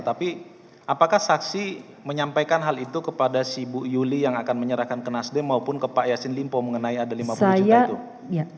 tapi apakah saksi menyampaikan hal itu kepada si bu yuli yang akan menyerahkan ke nasdem maupun ke pak yassin limpo mengenai ada lima puluh juta itu